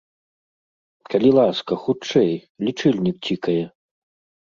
Калі ласка, хутчэй, лічыльнік цікае!